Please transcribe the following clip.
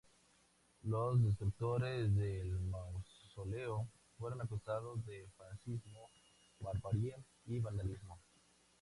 Los destructores del mausoleo fueron acusados de "fascismo, barbarie y vandalismo".